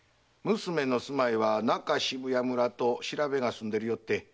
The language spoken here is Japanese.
娘の住まいは中渋谷村と調べが済んでるし